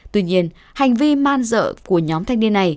tuy nhiên hành vi man dợ của nhóm thanh niên này